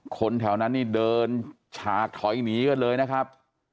คนแถวนั้นนี่เดินฉากถอยหนีกันเลยนะครับ